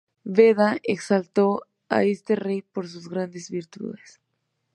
Beda exaltó a este rey por sus grandes virtudes.